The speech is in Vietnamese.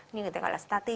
như người ta gọi là statin